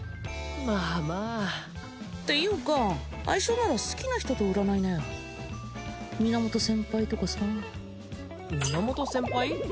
まあまあていうか相性なら好きな人と占いなよ源先輩とかさ源先輩？